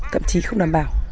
thậm chí không đảm bảo